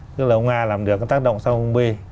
tức là ông a làm được tác động sang ông b